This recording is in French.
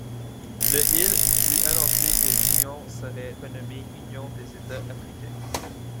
Le il fut annoncé que l'Union serait renommée Union des États africains.